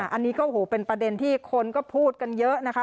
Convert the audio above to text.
อันนี้ก็โอ้โหเป็นประเด็นที่คนก็พูดกันเยอะนะคะ